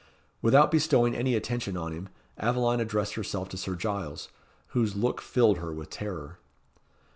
Without bestowing any attention on him, Aveline addressed herself to Sir Giles, whose look filled her with terror.